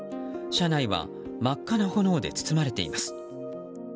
車内は真っ赤な炎で包まれています。